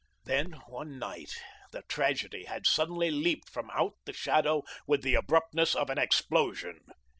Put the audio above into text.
Then one night the tragedy had suddenly leaped from out the shadow with the abruptness of an explosion.